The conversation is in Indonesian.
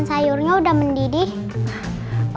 ini tempat tidurnya sudah mendidih